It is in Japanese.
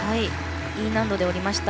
Ｅ難度で下りました。